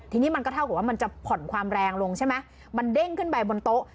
ทีนี้มันก็เท่ากับว่ามันจะผ่อนความแรงลงใช่ไหมมันเด้งขึ้นไปบนโต๊ะ